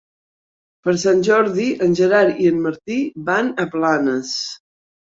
Per Sant Jordi en Gerard i en Martí van a Planes.